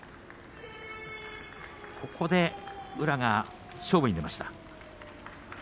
ここで宇良が勝負に出ました。